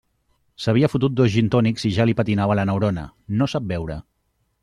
S'havia fotut dos gintònics i ja li patinava la neurona; no sap beure.